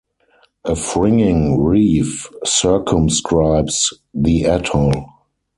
A fringing reef circumscribes the atoll.